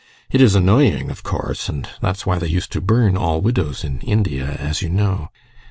It is annoying, of course, and that's why they used to burn all widows in India, as you know.